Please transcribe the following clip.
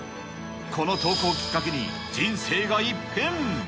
この投稿をきっかけに、人生が一変！